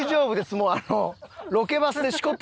もうあの。